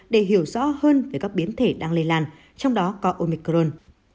để hiểu rõ hơn về các biến thể đang lây lan trong đó có omicron